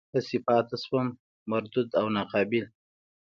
هسې پاتې شوم مردود او ناقابل.